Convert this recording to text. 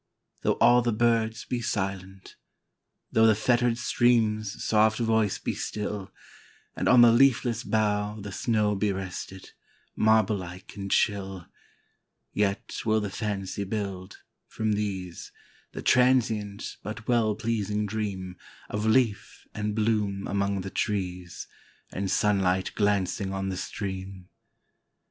Though all the birds be silent,—thoughThe fettered stream's soft voice be still, And on the leafless bough the snowBe rested, marble like and chill,—Yet will the fancy build, from these, The transient but well pleasing dreamOf leaf and bloom among the trees, And sunlight glancing on the stream.